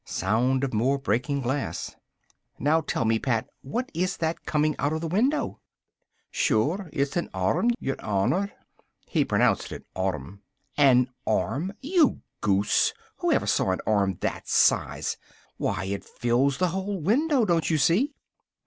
Sound of more breaking glass. "Now, tell me, Pat, what is that coming out of the window?" "Shure it's an arm, yer honour!" (He pronounced it "arrum".) "An arm, you goose! Who ever saw an arm that size? Why, it fills the whole window, don't you see?"